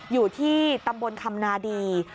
อยู่ที่ตำบลคำนาดี